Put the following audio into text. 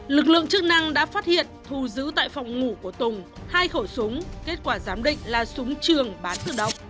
lực lượng chức năng đã phát hiện thu giữ tại phòng ngủ của tùng hai khẩu súng kết quả giám định là súng trường bán tự động